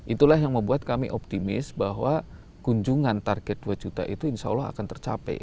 itulah yang membuat kami optimis bahwa kunjungan target dua juta itu insya allah akan tercapai